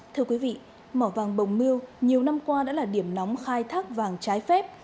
thưa quý vị mỏ vàng bồng miêu nhiều năm qua đã là điểm nóng khai thác vàng trái phép